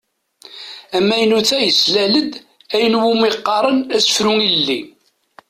Amaynut-a yeslal-d ayen i wumi qqaren asefru ilelli.